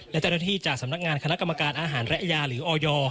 และเจ้าหน้าที่จากสำนักงานคณะกรรมการอาหารและยาหรือออย